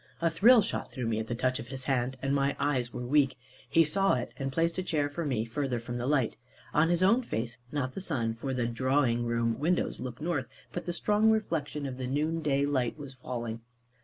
A thrill shot through me at the touch of his hand, and my eyes were weak. He saw it, and placed a chair for me further from the light. On his own face, not the sun, for the "drawing room" windows look north, but the strong reflection of the noon day light was falling.